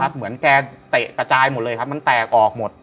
เหมือนแกเตะกระจายหมดเลยครับมันแตกออกหมด